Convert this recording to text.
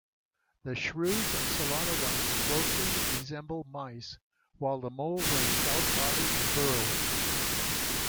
The shrews and solenodons closely resemble mice while the moles are stout-bodied burrowers.